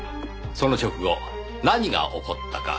その直後何が起こったか。